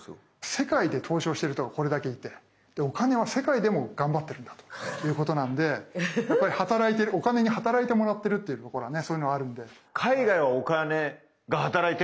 世界で投資をしている人がこれだけいてお金は世界でも頑張ってるんだということなんでお金に働いてもらってるっていうところはねそういうのはあるんで。